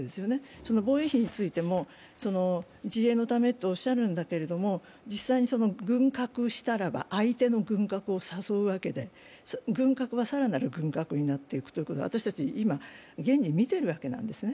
その防衛費についても、自衛のためとおっしゃるんですけど実際に軍拡したら、相手の軍拡を誘うわけで、軍拡が更なる軍拡になっていくということを、私たちは今、現に見ているわけですね。